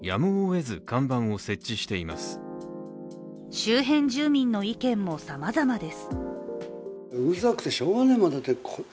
周辺住民の意見もさまざまです。